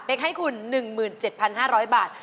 เป๊กให้คุณ๑๗๕๐๐บาท